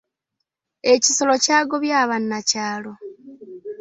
Ekisolo kyagobye abanakyalo.